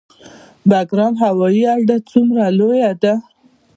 بګرام هوایي اډه څومره لویه ده؟